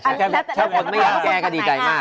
ถ้าคนไม่อยากแก้ก็ดีใจมาก